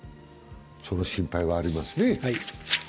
その心配はありますね。